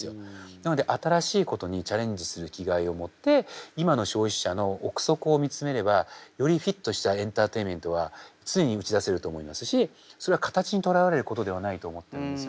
なので新しいことにチャレンジする気概を持って今の消費者の臆測を見つめればよりフィットしたエンターテインメントは常に打ち出せると思いますしそれは形にとらわれることではないと思ってるんですよね。